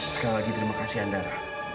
sekali lagi terima kasih andara